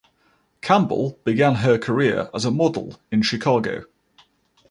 Campbell began her career as a model in Chicago.